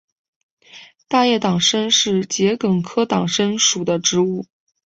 大叶党参是桔梗科党参属的植物。